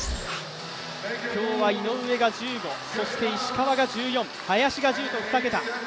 今日は井上が１５、石川が１４、林が１０と２桁。